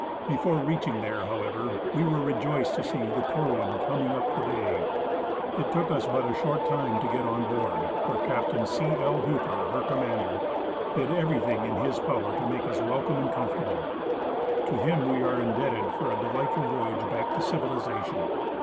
Before reaching there, however, we Avere rejoiced to see the Convin coming up the bay. It took us but a short time to get on board, where Captain C. L. Hooper, her commander, did everything in his powder to make us welcome and comfortable. To him we are indebted for a delightful voyage back to civilization.